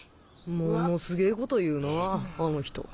ものすげぇこと言うなあの女